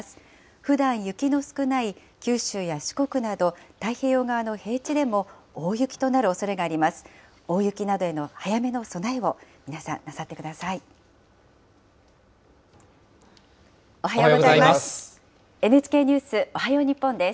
ふだん、雪の少ない九州や四国など、太平洋側の平地でも大雪となるおそれがあります。